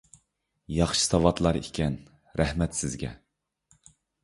ياخشى ساۋاتلار ئىكەن، رەھمەت سىزگە!